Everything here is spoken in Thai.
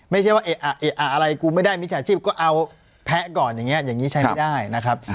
ไม่ใช่ว่าอะไรกูไม่ได้มิจฉาชีพก็เอาแพ้ก่อนอย่างนี้อย่างนี้ใช้ไม่ได้นะครับ